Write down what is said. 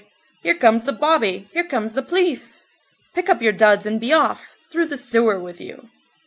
Here comes the bobby, here comes the p'lice, pick up your duds and be off, through the sewer with you!"